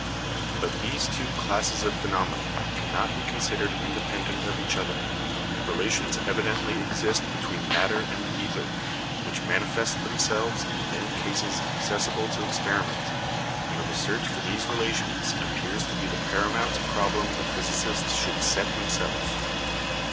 But these two classes of phenomena cannot be considered independent of each other. Relations evidently exist between matter and the ether, which manifest themselves in many cases accessible to experiment, and the search for these relations appears to be the paramount problem the physicist should set himself.